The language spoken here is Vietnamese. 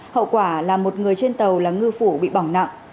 hậu quả là một người trên tàu là ngư phủ bị bỏng nặng